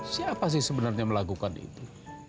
siapa sih sebenarnya melakukan itu